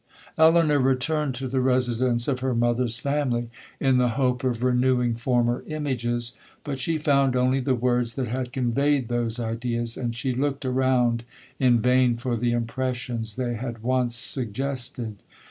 'Elinor returned to the residence of her mother's family in the hope of renewing former images, but she found only the words that had conveyed those ideas, and she looked around in vain for the impressions they had once suggested.